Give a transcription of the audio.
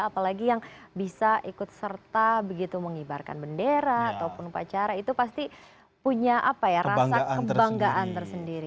apalagi yang bisa ikut serta begitu mengibarkan bendera ataupun upacara itu pasti punya rasa kebanggaan tersendiri